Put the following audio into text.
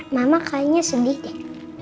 mama kayaknya sedih deh